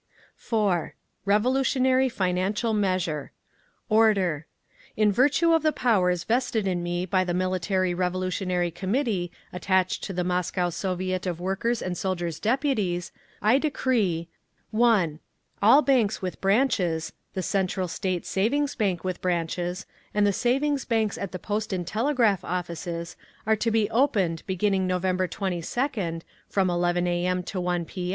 REVOLUTIONARY FINANCIAL MEASURE Order In virtue of the powers vested in me by the Military Revolutionary Committee attached to the Moscow Soviet of Workers' and Soldiers' Deputies, I decree: 1. All banks with branches, the Central State Savings Bank with branches, and the savings banks at the Post and Telegraph offices are to be opened beginning November 22nd, from 11 A. M. to 1 P.